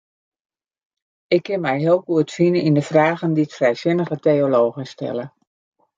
Ik kin my heel goed fine yn de fragen dy't frijsinnige teologen stelle.